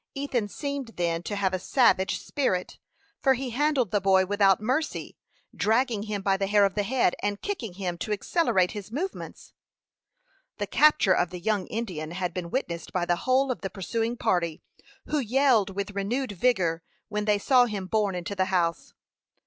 Ethan seemed then to have a savage spirit, for he handled the boy without mercy, dragging him by the hair of the head, and kicking him to accelerate his movements. The capture of the young Indian had been witnessed by the whole of the pursuing party, who yelled with renewed vigor when they saw him borne into the house.